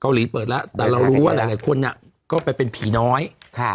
หลีเปิดแล้วแต่เรารู้ว่าหลายหลายคนอ่ะก็ไปเป็นผีน้อยค่ะ